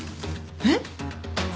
えっ？